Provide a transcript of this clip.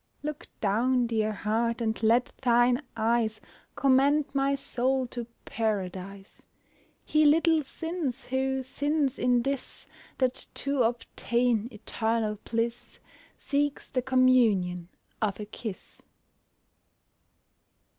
Look down, dear heart, and let thine eyes Commend my soul to Paradise. He little sins, who sins in this That to obtain eternal bliss Seeks the communion of a kiss.